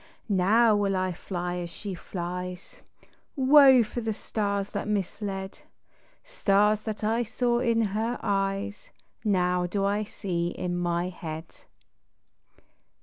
Now will 1 fly as she flies Woe for the stars that misled. 1 Stars that I saw in her eyes Now do I see in my head